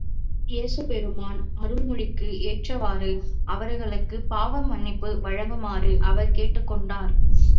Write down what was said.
இயேசு பெருமான் அருள் மொழிக்கு ஏற்றவாறு அவர்களுக்குப் பாவ மன்னிப்பு வழங்குமாறு அவர் கேட்டுக் கொண்டார்.